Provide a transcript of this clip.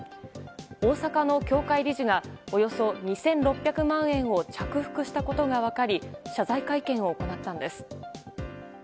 大阪の協会理事がおよそ２６００万円を着服したことが分かり謝罪会見を行ったんです。